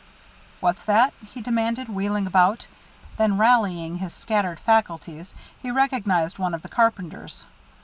"What's that?" he demanded, wheeling about. Then rallying his scattered faculties, he recognized one of the carpenters.